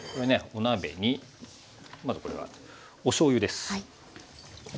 お鍋にまずこれはおしょうゆです。